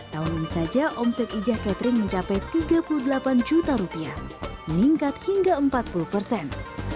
tahun ini saja omset ijah catering mencapai tiga puluh delapan juta rupiah meningkat hingga empat puluh persen